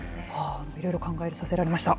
いろいろ考えさせられました。